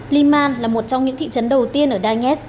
liman là một trong những thị trấn đầu tiên ở đai nghét